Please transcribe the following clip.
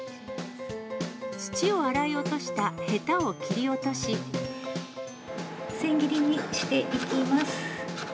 土を洗い落としたヘタを切り千切りにしていきます。